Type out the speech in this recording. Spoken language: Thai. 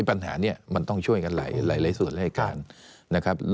พันธาเนี่ยมันต้องช่วยกันหลายส่วนและอาการ